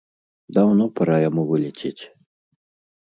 Даўно пара яму вылецець!